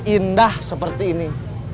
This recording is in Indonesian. indah seperti ini